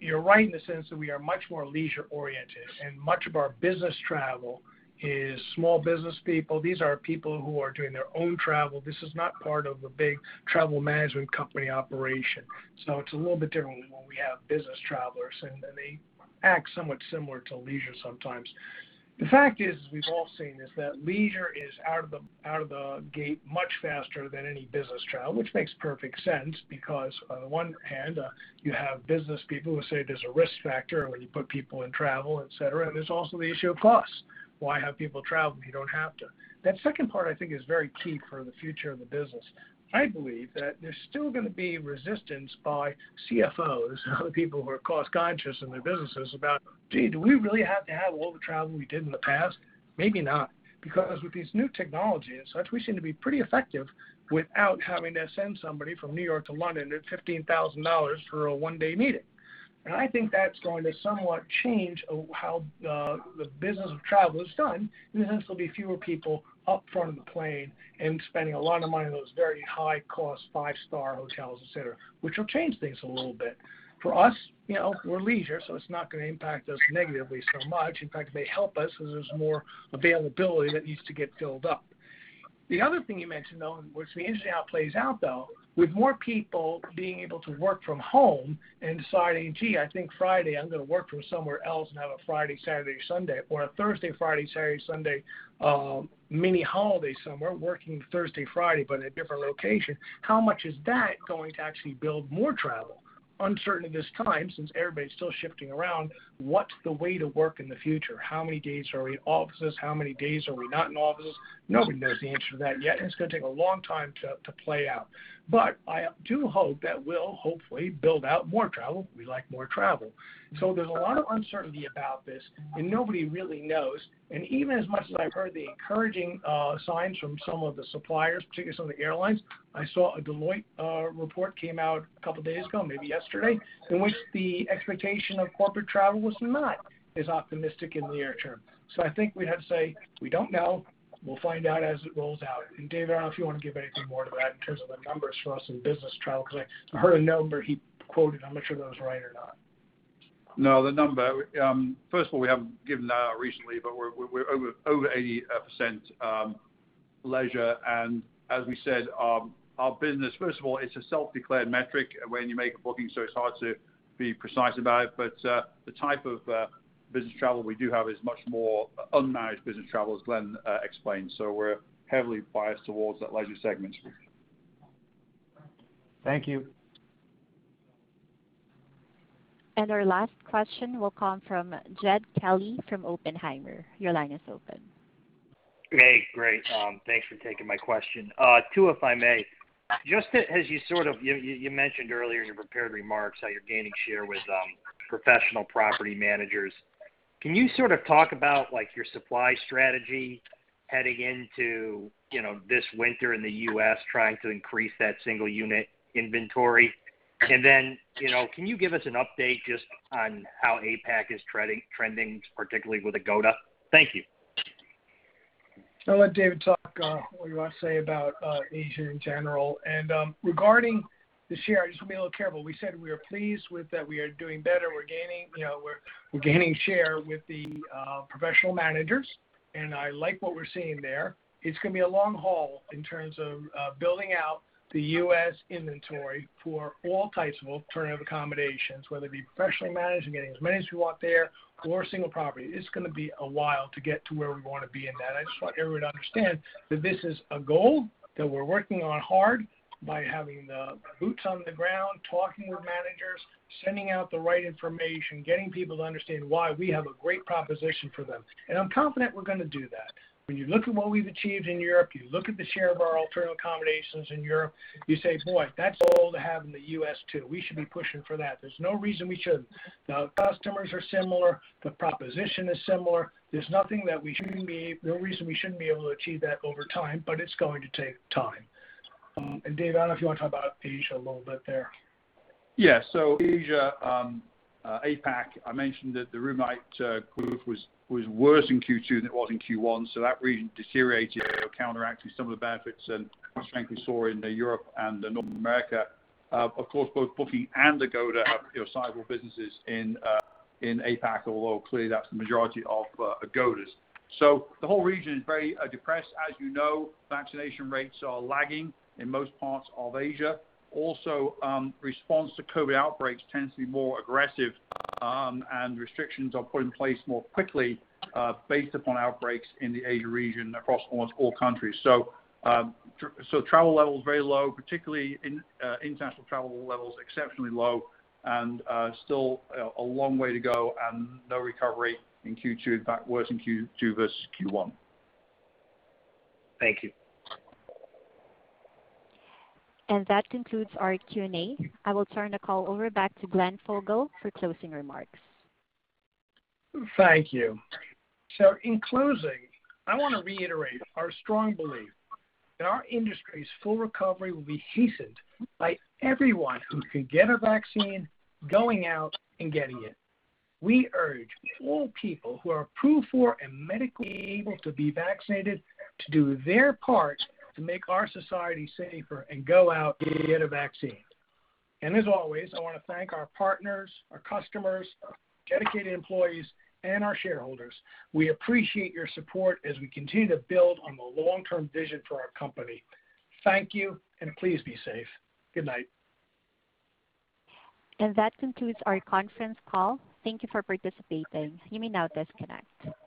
you're right in the sense that we are much more leisure oriented, and much of our business travel is small business people. These are people who are doing their own travel. This is not part of a big travel management company operation. It's a little bit different when we have business travelers, and then they act somewhat similar to leisure sometimes. The fact is, as we've all seen, is that leisure is out of the gate much faster than any business travel, which makes perfect sense because on the one hand, you have business people who say there's a risk factor when you put people in travel, et cetera, and there's also the issue of cost. Why have people travel if you don't have to? That second part I think is very key for the future of the business. I believe that there's still going to be resistance by CFOs and other people who are cost-conscious in their businesses about, "Gee, do we really have to have all the travel we did in the past?" Maybe not, because with these new technologies and such, we seem to be pretty effective without having to send somebody from New York to London at $15,000 for a 1-day meeting. I think that's going to somewhat change how the business of travel is done, in the sense there'll be fewer people up front of the plane and spending a lot of money in those very high-cost 5-star hotels, et cetera, which will change things a little bit. For us, we're leisure, so it's not going to impact us negatively so much. In fact, it may help us as there's more availability that needs to get filled up. The other thing you mentioned, though, and which will be interesting how it plays out, though, with more people being able to work from home and deciding, "Gee, I think Friday I'm going to work from somewhere else and have a Friday, Saturday, Sunday, or a Thursday, Friday, Saturday, Sunday, mini holiday somewhere, working Thursday, Friday, but in a different location." How much is that going to actually build more travel? Uncertain at this time, since everybody's still shifting around, what's the way to work in the future? How many days are we in offices? How many days are we not in offices? Nobody knows the answer to that yet, and it's going to take a long time to play out. I do hope that we'll hopefully build out more travel. We like more travel. There's a lot of uncertainty about this and nobody really knows, and even as much as I've heard the encouraging signs from some of the suppliers, particularly some of the airlines, I saw a Deloitte report came out a couple of days ago, maybe yesterday, in which the expectation of corporate travel was not as optimistic in the near term. I think we'd have to say we don't know. We'll find out as it rolls out. David, I don't know if you want to give anything more to that in terms of the numbers for us in business travel, because I heard a number he quoted. I'm not sure if that was right or not. No, we haven't given that out recently, but we're over 80% leisure. As we said, our business, first of all, it's a self-declared metric when you make a booking, so it's hard to be precise about it. The type of business travel we do have is much more unmanaged business travel, as Glenn explained. We're heavily biased towards that leisure segment. Thank you. Our last question will come from Jed Kelly from Oppenheimer. Your line is open. Hey, great. Thanks for taking my question. Two, if I may. You mentioned earlier in your prepared remarks how you're gaining share with professional property managers. Can you talk about your supply strategy heading into this winter in the U.S., trying to increase that single unit inventory? Then can you give us an update just on how APAC is trending, particularly with Agoda? Thank you. I'll let David talk what you want to say about Asia in general. Regarding the share, I just want to be a little careful. We said we are pleased with that. We are doing better. We're gaining share with the professional managers, and I like what we're seeing there. It's going to be a long haul in terms of building out the U.S. inventory for all types of alternative accommodations, whether it be professionally managed and getting as many as we want there or single property. It's going to be a while to get to where we want to be in that. I just want everyone to understand that this is a goal that we're working on hard by having the boots on the ground, talking with managers, sending out the right information, getting people to understand why we have a great proposition for them. I'm confident we're going to do that. When you look at what we've achieved in Europe, you look at the share of our alternative accommodations in Europe, you say, "Boy, that's a goal to have in the U.S., too. We should be pushing for that." There's no reason we shouldn't. The customers are similar. The proposition is similar. There's no reason we shouldn't be able to achieve that over time, but it's going to take time. David, I don't know if you want to talk about Asia a little bit there. Yeah. Asia, APAC, I mentioned that the room night growth was worse in Q2 than it was in Q1, so that really deteriorated or counteracted some of the benefits and cost strength we saw in Europe and North America. Of course, both Booking and Agoda have sizable businesses in APAC, although clearly that's the majority of Agoda's. The whole region is very depressed. As you know, vaccination rates are lagging in most parts of Asia. Also, response to COVID outbreaks tends to be more aggressive, and restrictions are put in place more quickly based upon outbreaks in the Asia region across almost all countries. Travel levels are very low, particularly international travel levels, exceptionally low, and still a long way to go and no recovery in Q2. In fact, worse in Q2 versus Q1. Thank you. That concludes our Q&A. I will turn the call over back to Glenn Fogel for closing remarks. Thank you. In closing, I want to reiterate our strong belief that our industry's full recovery will be hastened by everyone who can get a vaccine going out and getting it. We urge all people who are approved for and medically able to be vaccinated to do their part to make our society safer and go out and get a vaccine. As always, I want to thank our partners, our customers, our dedicated employees, and our shareholders. We appreciate your support as we continue to build on the long-term vision for our company. Thank you, and please be safe. Good night. That concludes our conference call. Thank you for participating. You may now disconnect.